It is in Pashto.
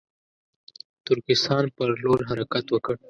ترکستان پر لور حرکت وکړ.